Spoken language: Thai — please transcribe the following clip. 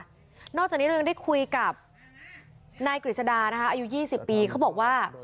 สุดนะคะนอกจากนี้เรายังได้คุยกับนายกฤษฎานะคะอายุยี่สิบปีเขาบอกว่า